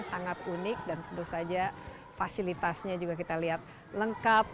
sangat unik dan tentu saja fasilitasnya juga kita lihat lengkap